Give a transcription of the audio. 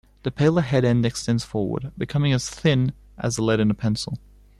The paler head-end extends forward, becoming as thin as the lead in a pencil.